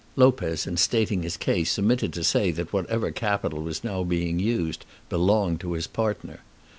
Lopez in stating his case omitted to say that whatever capital was now being used belonged to his partner.